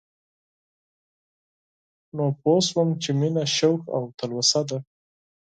نو پوه شوم چې مينه شوق او تلوسه ده